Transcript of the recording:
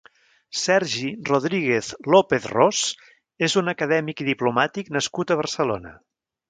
Sergi Rodríguez López-Ros és un acadèmic i diplomàtic nascut a Barcelona.